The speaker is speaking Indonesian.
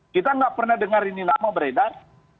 kita nggak pernah dengar ini nama beredar